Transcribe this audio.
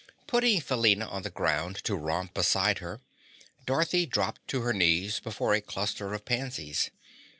Putting Felina on the ground to romp beside her, Dorothy dropped to her knees before a cluster of pansies.